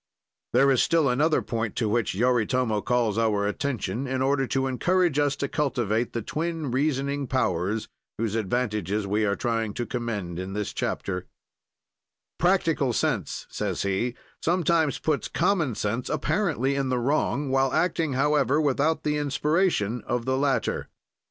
There is still another point to which Yoritomo calls our attention, in order to encourage us to cultivate the twin reasoning powers whose advantages we are trying to commend in this chapter: "Practical sense," says he, "sometimes puts common sense apparently in the wrong, while acting, however, without the inspiration of the latter.